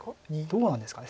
どうなんですかね。